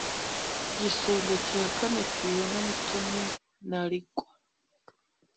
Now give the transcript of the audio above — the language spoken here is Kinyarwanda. Igisonga cya Kane Fiona Mutoni Naringwa